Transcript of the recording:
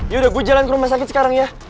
yaudah gue jalan ke rumah sakit sekarang ya